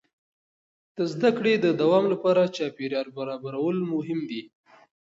د زده کړې د دوام لپاره چاپېریال برابرول مهم دي.